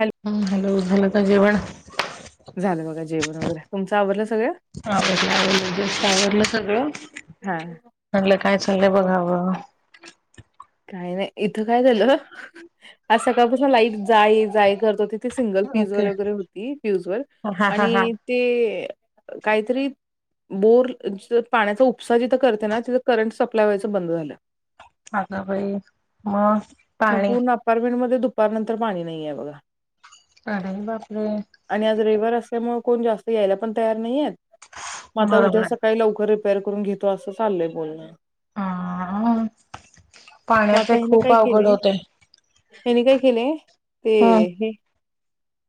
Hello हम्म hello झाला क जेवण? झालं बघा जेवण वगैरे तुमच आवरलं सगळं? आवरलं, आवरलं जस्ट आवरलं सगळं हा म्हणलं काय चा पहिले बघाव काय नाही इथ काय झाल आज सकाळपासून लाईट जाय ये जाय ये खरतर तिथे सिंगल पिज वर ओके वगैरे होती फिव्ज् वर हा हा हा आणि ते काहीतरी बोर [unintelligible] पाण्याचा उपसा जिथ करते ना, तिथ करंट सप्लाय व्हायचं बंद झाल. [unintelligible] अगबाई म मग पूर्ण अपार्टमेंट मध्ये दुपार नंतर पाणी नाही ये बघा. अरे बापरे आणि आज रविवार असलयामुळ कोण जास्त यायला पण तयार नाहीयेत. मग आता बरोबर उद्या आहे सकाळी लवकर रिपेअर करून घेतो अस चालय बोलण. आ हा पाण्याचे खूप आप केलेय त्यांनी काय केलेय ते ह हे.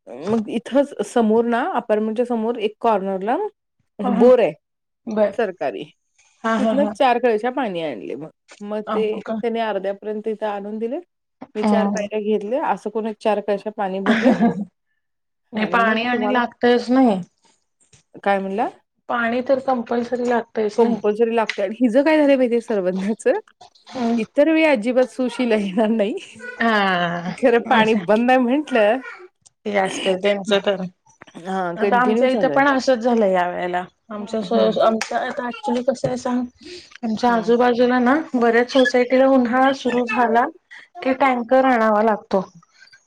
मग इथच समोर ना अपार्टमेंटच्या समोर एक कॉर्नरला ह बोर आहे बर सरकारी हा हा हा तिथनच चार कळशा पाणी आणले मग मग ते अमुक त्याने अर्ध्यापर्यंत इथे आणून दिले मी चार नाही पायले घेतले अस एकूणच चार कळशा पाणी भरले, आणि मग पाणी तुम्हाला लागतच नाही कायम्हणला पाणी तर कंपल्सरी लागतच नाही कंपल्सरी लागते आणि हिज काय झाल पाहितीे सर्वज्ञाच इतर वेळी अजिबात सुशल येणार नाही खर हा पाणी बंद आहे म्हंटल ते असत त्यांच तर हा आता कंटिन्यू आमच्या इथ चालू आहे पण असच झाल या वेळेला आमच्या हम्म सरोस आमच्या आता ऍक्च्युली कस आहे सांग आमच्या हम्म आजूबाजूला ना, बऱ्याच सोसायटी तिला उन्हाळा सुरू झाला कि टँकर आणावा लागतो.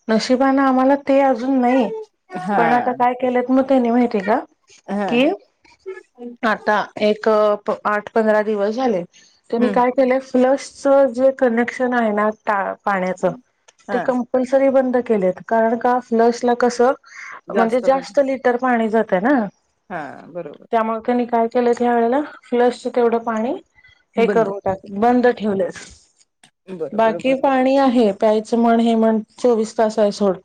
नशिबान आम्हाला ते अजून नाही हा पण आता काय केलेत म त्यानी माहिती का हा की आता एक आठ पंधरा दिवस झाले त्यांनी हम्म काय केलय फ्लशच जे कनेक्शन आहे ना, ता पाण्याच ते हा कंपल्सरी बंद केलेयत कारण का फ्लश ला कस म्हणजे जास्त लिटर पाणी जातय ना, हा बरोबर. त्याला ह्या वेळेला फ्लश तेवढ पाणी हे बंद करून केली. टाक बंद ठेवलेस बरोबर बाकी बरोबर पाणी आहे प्यायच म्हण हे म्हण चोवीस तास आहे सोड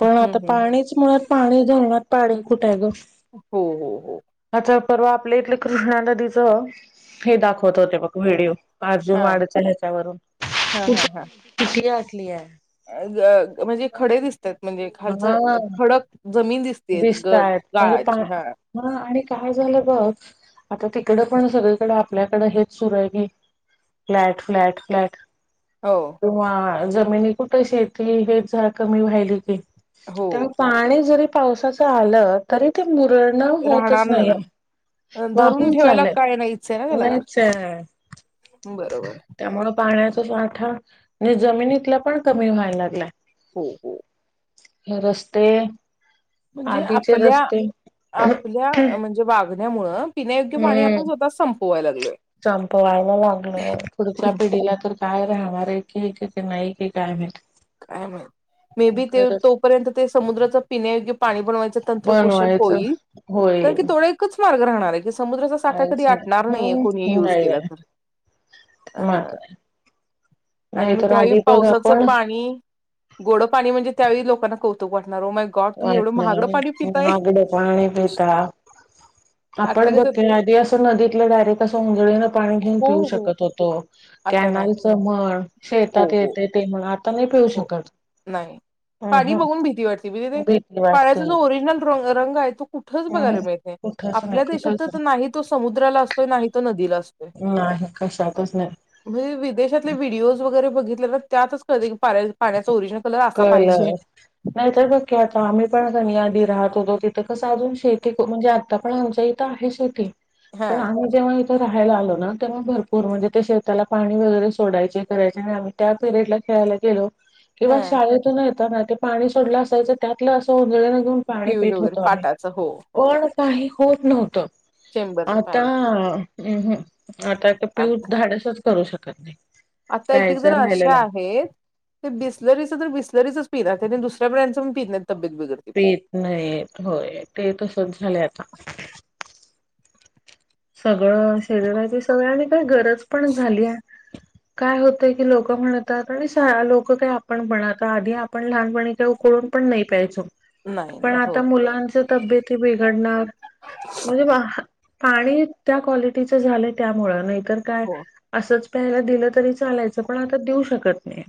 पण हम्म आता हम्म पाणीच मुळात पाणी धरणात पाणी कुठे आहे ग हो हो हो आता परवा आपल्या इथले कृष्णा नदीच हे दाखवत होते बघ व्हिडिओ अर्जुन हा वाढयच ह्याच्यावरून हा हा कुठ हा. कुठ आठली आहे म्हणजे खडे दिसतात म्हणजे खालच खडक जमीन दिसत दिसतायेत म्हणजे पा आणि काय झालं बघ आता तिकड पण सगळीकडे आपल्याकडे हेच सुर आहे की फ्लॅट फ्लॅट फ्लॅट हो किंवा जमिनी कुठे शेती हे जरा कमी व्हाली की हो तेव्हा पाणी जरी पावसाच आल तरी ते प्रणव होकस राहणार नाहीये नाही. अ, धरून वाहून ठेवायला चाललय काय नाहीच आहे ना त्याला नाहीचेये बरोबर त्या मुळ पाण्याचा जो आठा आणि जमिनीतला पण कमी व्हायला लागलाय हो हो रस्ते म्हणजे आधीचे आपल्या रस्ते आपल्या म्हणजे वाग गण्यामुळे पिण्यायोग्य पाणी हम्म आपण स्वतःच संपवायला लागलो संपवायला लागलोय पुढच्या पिढीला तर काय र हमारे क एक की नाही क कायम भे काय माहीत मे बी ते तोपर्यंत ते समुद्राच पिण्यायोग्य पाणी बनवायचं त्रकुशल बनवायचं होईल तर होय तोळ्या इतकाच मार्ग राहणार आहे. समुद्राचा साठा काहीच कधी नाही आटणार नाहीये कोणी हम्म युज नाही केला तर [unintelligible] नाही आन्वी तर ताई आधी बघ पावसाचं आपण पाणी गोड पाणी म्हणजे त्यावेळी लोकांना कौतुक वाट वाच नाही मगड पाणी पिता आता आपण कसं बघते आधी असं नदीतलं डायरेक्ट असंळी पाणी घेऊन हो पिऊ हो शकत होतो आता नाही कॅनल च म्हण हो शेतात हो येते ते म्ह हो नाही पाणी अहं बघून भीती भीती वाटते. वाटतीडचा जो ओरिजनलॉंग रंग आहे तू कुठच अहं बघायला मिळते कुठच नाही आपल्या देशात कुठच तर नाही तो समुद्राला असतोय नाही तो नदीला असतोय. आहे कशा विदेशातले व्हिडिओज वगैरे बघितले ना त्यातच कळते पाण्याचा ओरिश कल नाहीतर बघकी आता आम्ही पण घ राहत होतो तिथं कसं अजून शेती म्हणजे आता पण आमच्या इथं आहे शेती हा पण आम्ही जेव्हा ते राहायला आलो ना तर म भरपूर म्हणजे ते शेताला पाणी वगैरे सोडायचे करायचे आणि आम्ही त्या पिरियडला खेळायला गेलो किंवा हा शाळेतून येताना ते पाणी सोडल असायच त्यातल असो. जळ घऊन पाणी पिवळ पेत वगैरे होतो आम्ही पाटाचं हो हो पण काही होत नव्हत. चेंबरचं आता पाणी हम् हम् आता पिऊ आता धाडसच करू शकत नाही. आता एक एक जण प्यायचं अशा राहिलेला आहेत बिसलरी सुद्धा रीच प त्या दुऱ्या ब्रँडच प तेेत नाहीेत होय ते तसच झालं आता सगळं शरीराची सगळ आणि काही गरज पण झाली आहे. काय होतंय की लोक म्हणतात आणि लोक काय आपण म्हणत आधी आपण लहानपणी का उकून ण नाही नाही पण नाही होय आता मुंच तब्येत बिघडणार म्हणजे पाणी त्या क्वालिटीच झाले त्यामुळे नाहीतर काय हो असच प्यायला दिलं तरी चालायचं पण आता देऊ शकत नाही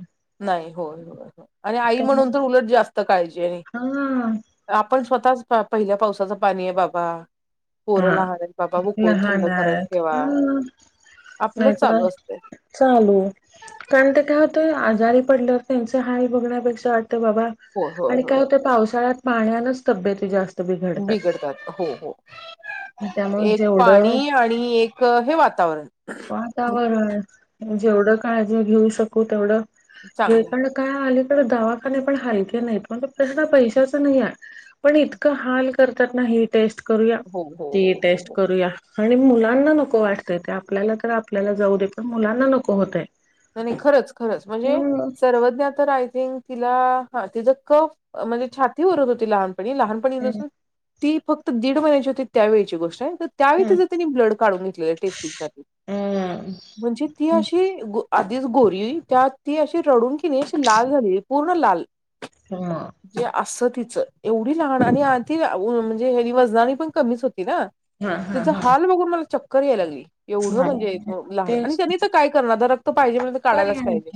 नाही होय होय आणि आई त्यामुळे म्हणून तर उलट जास्त काळजी आहे हा आपण स्वतःच पहिल्या पावसाचं पाणी आहे बाबा. पोरं हा लहान आहेत बाबा उकळून थंड लहान करून आहेत ठेवा आपलं चालू नाहीतरल असतंय चालू कारण ते काय होतय आ जारी पडलं त्यांच हाल बघण्यापेक्षा वाटत बाबा होय होय आणि होय काय होत पावसाळ्यात पाण्यालाच तब्येत आहे जास्त बिघडतात हो हो. त्यामुळे एक जेवढं पाणी आणि एक हे वातावरण. वातावरण जेवढं काळजी घेऊ शकू तेवढं घे चांगलं पण काय हाल? दवाखाना पण हालक नाही म्हण प्रश्न पैशाच नाय आहे पण इतकं हाल करत नाही.. टेस्ट करूया हो हो त हो हो टेस् हो करूया आणि मुलांना नको वाट आपल्याला तर आपल्याला जाऊ दे पण मुलांना नको होतय. नाही नाही खरंच खरंच म्हणजे सर्वज्ञ तर आय थिंक ती तिला हा तिचा कफ म्हणजे छातीवररत होती लहानपणी लहानपणी पासून ती फक्त दीड महिन्याची होती त्यावेेळची गोष्ट आहे. तर त्यावेळी जर त्यांनी ब्लड काढून घेतलेलं टेस्टिंगसाठी म्हणजे ती अशी... आधीच गोरी त्यात ती अशी रडून किनई अशी लाल झाली पूर्ण लाल. जे असत तिचं एवढी लहान आणि म्हणजे वजनाने पण कमीच हो त्तीन हा हा याचा हा हाल बघून मला चक्कर याय लागली. एवढं झाले म्हणजे लहान आणि तेच त्यांनी तर काय करणार रक्त पाहिजे म्हणलं तर काढायलाच पर्याय पाहिजे.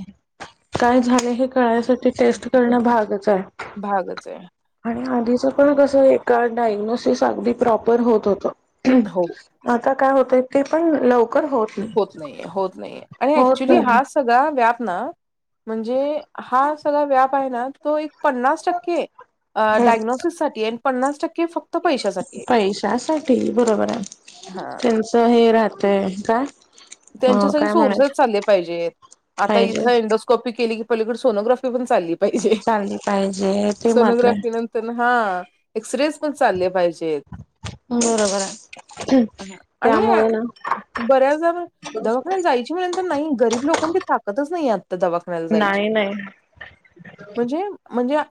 काय झाले हे कळण्यासाठी टेस्ट करणं भागच आहे. भागच आहे आणि आधीचा पण कस आहे एका डायग्नोसिस अगदी प्रॉपर होत होत. हो आता काय होतय ते पण लव होत नाहीये होत नाहीये आणि होत ऍक्च्युली नाही ना. हास सगळा व्याप ना म्हणजे हा सगळा व्याप आहे ना तो एक पन्नास टक्के अ ह डायग्नोसिससाठी आणि पन्नास टक्के फक्त पैशासाठी आहे. त्यासाठी बरोबर आहे हा त्याचं हे ते काय? अ त्यांचे सगळे काय म्हणायच सोर्सेस चालले पाहिजेत आता पाहिजे इथं एंडोस्कॉपी केली... पलीकडं सोनोग्राफी पण चालली पाहिजे चालली पाहिजे ते मात्र आहे सोनोग्राफी नंतर ना... हा एक्सरेस पण चालले पाहिजेत. बरोबर आहे. हा आणि त्यामुळे ना बऱ्याचदा ना दवाखान्यात जायची वेळ तर नाही गरीब लोकांची ताकदचं नाहीये. दवाखान्याला जायची नाही नाही म्हणजे म्हणजे आ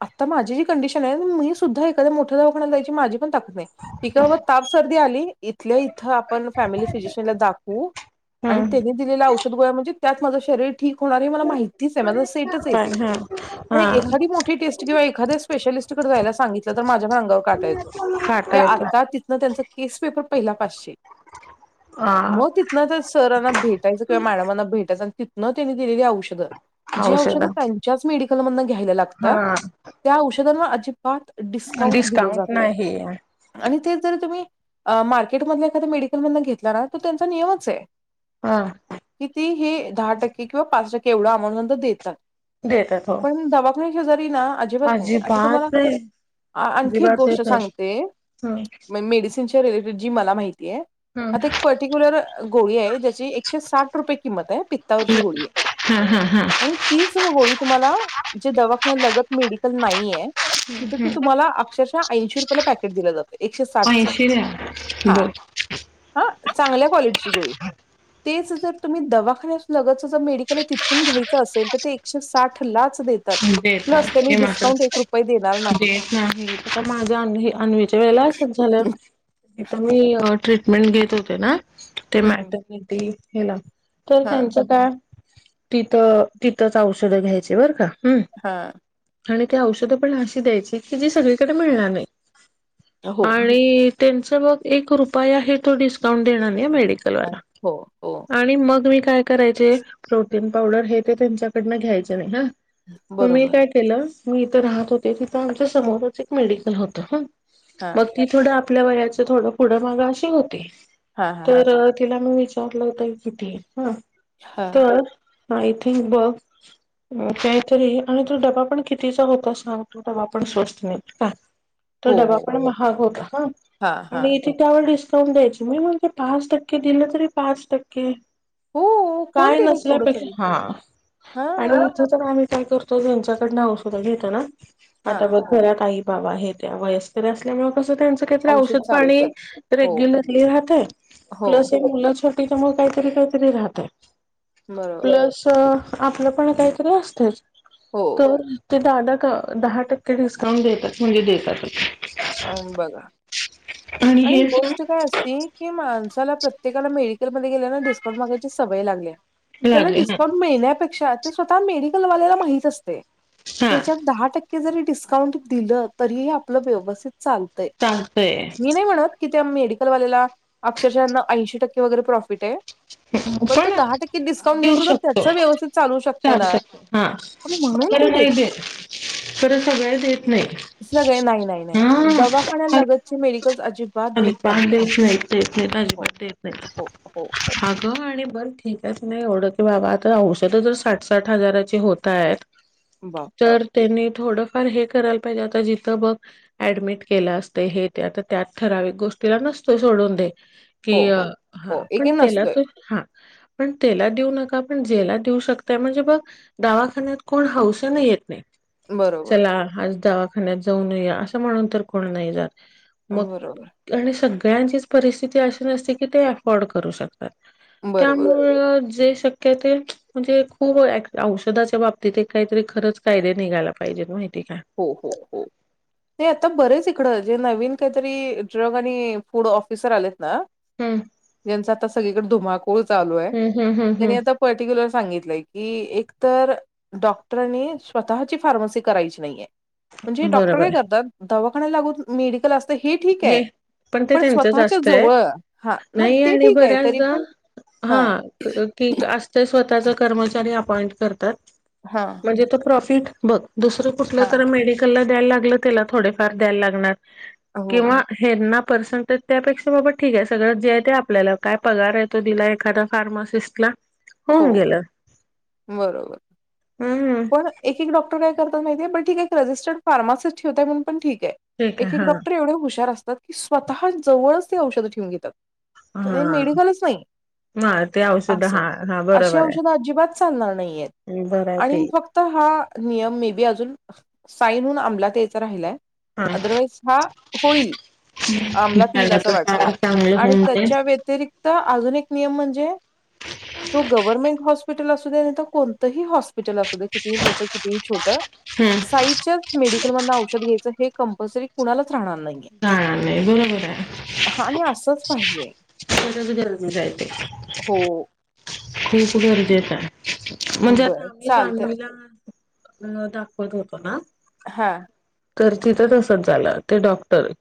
आत्ता माझी जी कंडिशन आहे ना मी सुद्धा एखाद्या मोठ्या दवाखाण्याला जायची माझी पण ताकद नाही ठीक आहे बाबा ताप सर्दी आली इथल्या इथं आपण फॅमिली फीजिशियनला दाख हो आणि हम्म त्यांनी दिलेल्या औषध गोळ्या म्हणजे त्यात माझं शरीर... ठीक होणार हे मला माहितीच आहे माझं सेटच आहे ते. पण ह नाही एखादी हा मोठी टेस्ट किंवा एखाद्या स्पेशालिस्ट कडे जायला सांगितलं तर माझ्या पण अंगावर काटा येतोय. कि फाटा येतो आता तिथनं त्यांचा केस पेपर पहिला पाचशे. हा मग तिथंन त्या सरांना भेटायचं किंवा मॅडमांना भेटायचं आणि तिथनं त्यांनी दिलेली औ षधं जी औषध औषधं त्यांच्याच मेडिकल मधनं घ्यायला लागतात हा त्या औषधांवर अजिबात डिस्काउंट दिलं जात आणि तेच जर तुम्ही अ मार्केटमधल्या एखाद्या मेडिकल मधनं घेतला ना तर त्यांचा नियमच आहे. हा किती हे दहा टक्के किंवा पाच टक्के एवढ्या अमाऊंट पर्यंत देतात. देतात हो. पण दवाखान्या शेजारी ना अजिबात नाही आता तुम्हाला आणखी एक अजिबात गोष्ट देतात सांगते हम्म म मेडीसिनच्या जी मला माहितीये आता हम्म गोळी आहे ज्याची एकशे साठ रुपये किंमत आहे. पित्तावरची गोळी आहे आणि तीच गोळी तुम्हाला जे दवाखान्यालागत मेडिकल नाहीये तिथं ते तुम्हाला अक्षरशः ऐंशी रुपयला पॅकेट दिलं जात एकशे साठचं ऐंशी द्या हां बघ हां चांगल्या क्वालिटीची गोळी तेच जर तुम्ही दवाखान्या लगतचं जे मेडिकल आहे तिथून घ्यायचं असेल तर ते एकशे साठलाच देत प्लस देतात त्यांनी हे मात्र डिस्काउंट एक रुपये दे देत नाहीत आता माझ्या अनू हे अन्वीच्या वेळेला असंच झालं [unintelligible] ट्रीटमेंट घेत होते ना ते हम्म मॅटर्निटी हेला तर हा त्यांच काय तिथं तिथंच औषधं घ्यायची बरं का हम्म हा आणि ती औषधं पण अशी द्यायची की जी सगळीकडे मिळणार नाही हो आणि त्यांच मग एक रुपया ही तो डिस्काउंट देणार नाही मिळ मेडिकल वाला हो हो आणि मग मी काय करायचे प्रोटीन पावडर हे ते त्यांच्याकडनं घ्यायचे नाही हं मग मी बरोबर काय केलं मी इथं राहत होते तिथं आमच्या समोरच एक मेडिकल होतं हा मग ती थोडं आपल्या वयाच्या थोडं पुढं मागं अशी होती हा हा हा तर तिला मी विचारलं होतं किती हं हा तर आय थिंक ब [inaudible] तरी आणि तो डबा पण कितीचा होता सांग तो डबा पण स्वस्त नाही का? तर हो डबा हो पण महाग होता हा आणि इथे त्यावर दिसत स द्यायच मी म्हणजे पाच टक्के दिलं तरी पाच टक्के हो कोण काय देते तेवढं नसल्यापेक्षा तरी हा हा आणि [inaudible] आम काय करतो ह्याच्याकडन औषध घेतो ना हा आता बघ घरात आहे बाबा हे त्या वयस्कर असल्यामुळे अस त्यांच काहीतरी औषध पाणी चालूच आहे. हो, रेग्युलरली राहतय [inaudible] हो, प्लस हे मु छट तिच्यामुळे काहीतरी काहीतरी राहते [inaudible] बरोबर. प्लस आपलंपण काहीतरी असतच हो, [inaudible] तर जादा दहा टक्के डिस्काउंट देतात म्हणजे देतात [inaudible] अ [inaudible] बघा आणि हे सण गोष्ट काय असती की माणसाला प्रत्येकाला मेडलमध्ये गेल्या डिस्उंट मागयची सवय लागल्या त्याना लागले ह डिस्उंट मिळण्यापेक्षा ते स्वतः मेडिकलवाल्याला माहत असते हा याच्या दहा टक्क जरी डिस्काउंट दिलं तरी ही आपलं व्यवस्थित चालतंय. चालतंय मी नाही म्हणत की त्या मेडिकलवाल्याला अक्षरशांना ऐंशी टक्के वगैरे प्रॉफिट आहे पण तो दहा टक्के डिस्काउंट देऊन देऊ सुधा त्याच शकतो व्यवस्थित चालू शकते ना [inaudible] [inaudible] र नाही देत दे तर सगळ्याचेत सगळे नाही -नाही -नाही दवाखान्या लगची मेडिकल [inaudible] अध प देत नाही येत नाही हो तजिबेत हो हो हो नाही अगं आणि बर ठ तेच नाही एवढं की बाबा आता औषधं जर साठ साठ हजाराची होत आहेत [inaudible] बापरे तर त्यांनी थोडंफार हे करायला पाहिजे आता जिथं बघ ऍडमिट केलं असत हे ते त्यात- त्यात ठराविक गोष्टीला नसतो सोडून दे हो की हो [inaudible] हा हो पण एके त्याला नसतोय तो हा पण त्याला देऊ नका आपण जेलात येऊ शकतोय म्हणजे बघ दवाखान्यात कोण हौसान नाही येत नाही [inaudible] बरोबर चला आज दवाखान्यात जाऊ नये असं म्हणून तर कोण नाही जात मग बरोबर आणि सगळ्यांचीच परिस्थिती अशी नसते की ते अफोर्ड करू शकत [inaudible] बरोबर त्यामुळे शक्य म्हणजे खूप औषधाच्या बाबतीत काहीतरी खरच कायदे निघायला पाहिजेत माहि हो- हो -हो ते आता बरेच इकड‌ जे नवीन काहीतरी ड्रग आणि फूड ऑफिसर आलेत आ [inaudible] हम्म आहे याचां आता सगळीकडे धुमाकूळ चालू आहे हम्म हम्म हम्म त्यांनी हम्म आता पर्टिक्युलर सांगितलंय की एकतर डॉक्टरनी स्वतःची फार्मसी करायची नाहीय म्हणजे डॉक्टर बरोबर काय करतात दवाखान्याला लागून मेडिकल असत तर हे ठीक आहे ते पण त्यांचंच स्वतःच्या असतंय जवळ हा नाही ते आणि ठीक आहे तरी बऱ्याचदा पण हा की असत स्वत ताच कर्मचारी ऑपोमेंट करतात हा म्हणजे तो प्रॉफिट बघ दुसरं कुठलं हा. तर मेडिकलला द्यायला लागलं त्याला थोडेफार द्यायला लागणार हो किंवा हेरना पर्सेंटेज त्यापेक्षा बाबा ठीक आहे सगळं जे आहे ते आपल्याला काय पगार आहे तो दिला एखादया फार्मासिस्टला हो होऊन गेलं बरोबर हम्म पण एक एक डॉक्टर का करतात माहीतय बर ठिक आहे रजिस्टर ‌फार्मसी ठेवताय म्हणून पण ठीक आहे ठीक आहे एक- एक डॉक्टर हा एवढे हुशार असतात की स्वतः जवळच ते औषध ठेवून घेतात हा मेडिकलच नाही हा ते औषध अस हा हा अशी बरोबर औषधं अजिबात चालणार नाही आहेत आहे बरं आहे आणि ते फक्त हा नियम मे बी अजून साईन होऊन अंमलात यायचा राहिलाय हा अदरवाईज हा होईल आमलात इलं झाला असं तर वाटत फार चांगलं आणि होऊन जाईल त्याच्या व्यतिरिक्त - तर अजून एक नियम म्हणजे तो गव्हर्नमेंट हॉस्पिटल असू दे आणि कोणतंही हॉस्पिटल असू दे कितीही मोठ कितीही छोट हम्म साईडच्या मेडिकल औषध घ्यायच हे कंपलसरी कुणालाच राणार नाहीय जाणार नाही बरोबर आहे आणि असच पाहिजे खरच गरजेच आहे ते हो खूप गरजेेचय म्हणजे बर आता आम्ही चालतंय जानव्हीला अ दाखवत होतो ना हा तर तिथं तसच झालं ते डॉक्टर